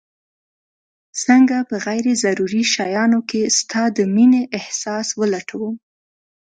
څنګه په غير ضروري شيانو کي ستا د مينې احساس ولټوم